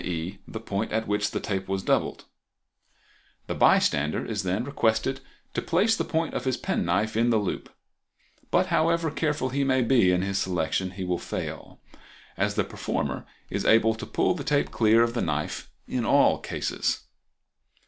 e., the point at which the tape was doubled (see Fig. 22). The bystander is then requested to place the point of his pen knife in the loop, but however careful he may be in his selection he will fail, as the performer is able to pull the tape clear of the knife in all cases.